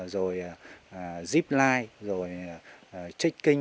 rồi zip line rồi checking